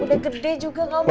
udah gede juga kamu